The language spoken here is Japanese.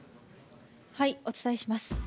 お伝えします。